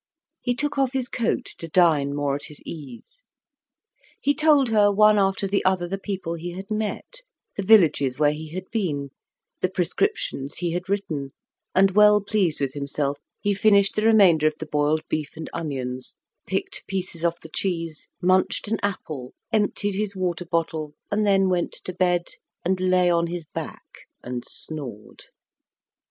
He took off his coat to dine more at his ease. He told her, one after the other, the people he had met, the villages where he had been, the prescriptions he had written, and, well pleased with himself, he finished the remainder of the boiled beef and onions, picked pieces off the cheese, munched an apple, emptied his water bottle, and then went to bed, and lay on his back and snored.